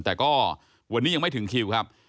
แต่ก็วันนี้ยังไม่ถึงคิวครับ